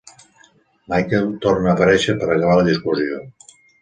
Michael torna a aparèixer per acabar la discussió.